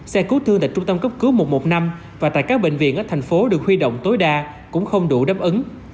xe cứu thương tại trung tâm cấp cứu một trăm một mươi năm và tại các bệnh viện ở thành phố được huy động tối đa cũng không đủ đáp ứng